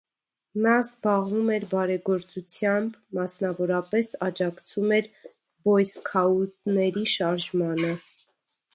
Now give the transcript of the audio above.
Նա զբաղվում էր բարեգործությամբ, մասնավորապես, աջակցում էր բոյսքաութների շարժմանը։